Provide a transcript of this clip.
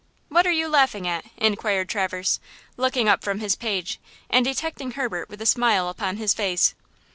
"What are you laughing at?" inquired Traverse, looking up from his page, and detecting Herbert with a smile upon his face.